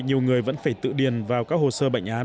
nhiều người vẫn phải tự điền vào các hồ sơ bệnh án